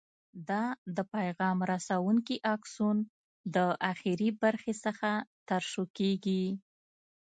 دا د پیغام رسونکي آکسون د اخري برخې څخه ترشح کېږي.